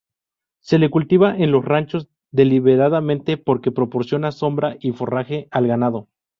Se le cultiva en los ranchos deliberadamente porque proporciona sombra y forraje al ganado.